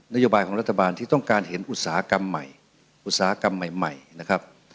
โยบายของรัฐบาลที่ต้องการเห็นอุตสาหกรรมใหม่อุตสาหกรรมใหม่นะครับ